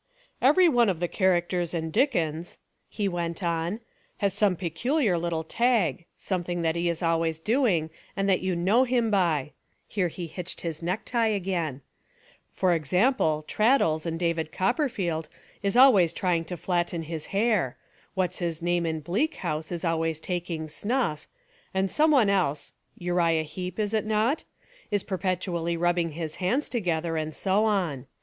"Every one of the characters in Dickens," he went on, "has some peculiar little tag, some thing that he is always doing and that you know 193 Essays and Literary Studies him by" (here he hitched his necktie again) — "for example Traddles in David Copperfield is always trying to flatten his hair, What's his name in Bleak House is always taking snuff, some one else, Uriah Heep, is it not? is per petually rubbing his hands together, and so on.